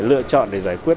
lựa chọn để giải quyết